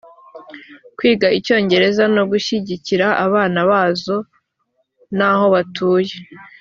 kwiga icyongereza no gushyigikira abana bazo n aho batuye